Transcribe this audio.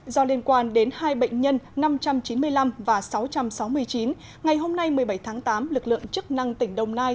do liên quan đến hai bệnh nhân năm trăm chín mươi năm và sáu trăm sáu mươi chín ngày hôm nay một mươi bảy tháng tám lực lượng chức năng tỉnh đồng nai